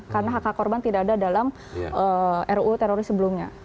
karena hak hak korban tidak ada dalam ruu teroris sebelumnya